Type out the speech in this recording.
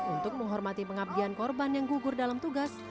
untuk menghormati pengabdian korban yang gugur dalam tugas